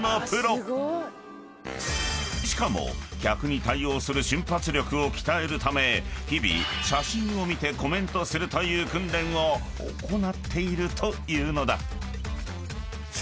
［しかも客に対応する瞬発力を鍛えるため日々写真を見てコメントするという訓練を行っているというのだ］